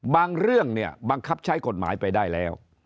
เรื่องเนี่ยบังคับใช้กฎหมายไปได้แล้ว